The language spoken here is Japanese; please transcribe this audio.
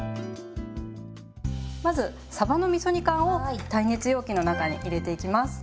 まずさばのみそ煮缶を耐熱容器の中に入れていきます。